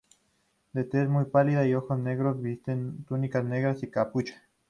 De tez muy pálida y ojos negros, visten túnicas negras con capucha.